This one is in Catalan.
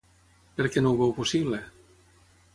Per què no ho veu possible?